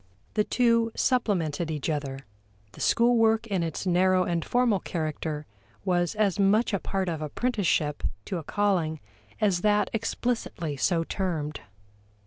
The two supplemented each other; the school work in its narrow and formal character was as much a part of apprenticeship to a calling as that explicitly so termed.